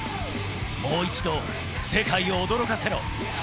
もう一度、世界を驚かせろ。